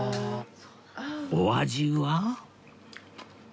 お味は？